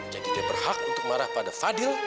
jadi dia berhak untuk marah pada fadil